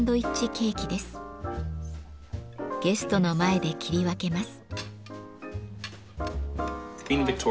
ゲストの前で切り分けます。